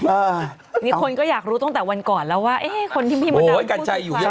อ่านี่คนก็อยากรู้ตั้งแต่วันก่อนแล้วว่าเอ๊คนที่มีบทนี้ควาย